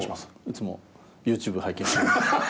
いつもＹｏｕＴｕｂｅ拝見して。